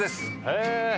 へえ。